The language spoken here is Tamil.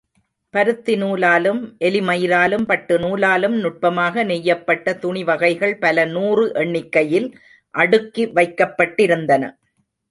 பருத்தி நூலாலும், எலிமயிராலும், பட்டு நூலாலும் நுட்பமாக நெய்யப்பட்ட துணிவகைகள் பல நூறு எண்ணிக்கையில் அடுக்கி வைக்கப்பட்டிருந்தன.